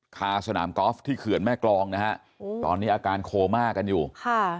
คาสนามกอล์ฟที่เขื่อนแม่กรองนะฮะโอ้ตอนนี้อาการโคม่ากันอยู่ค่ะ